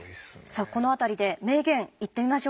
さあこの辺りで名言いってみましょうか？